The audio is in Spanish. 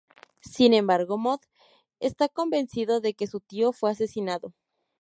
Sin embargo, "Moth" está convencido de que su tío fue asesinado.